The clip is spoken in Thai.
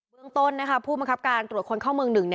เรื่องต้นนะครับผู้บังคับการตรวจคนเข้าเมืองหนึ่ง